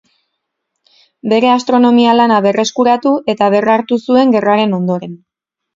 Bere astronomia lana berreskuratu eta berrartu zuen gerraren ondoren.